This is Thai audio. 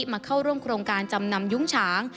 มาเข้าร่วมโครงการจำนำยุ้งฉาง